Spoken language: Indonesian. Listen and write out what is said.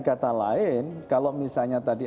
kata lain kalau misalnya tadi